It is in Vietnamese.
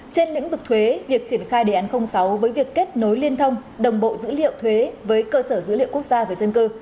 trên lĩnh vực thuế việc triển khai đề án sáu với việc kết nối liên thông đồng bộ dữ liệu thuế với cơ sở dữ liệu quốc gia về dân cư